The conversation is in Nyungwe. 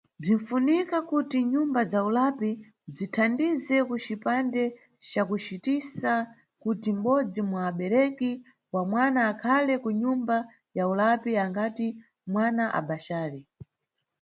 Bzinʼfunika kuti nyumba za ulapi bzithandize kucipande cakucitisa kuti mʼbodzi mwa abereki wa mwana akhale kunyumba ya ulapi angati mwana abhaxali.